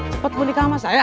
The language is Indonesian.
cepet mau nikah sama saya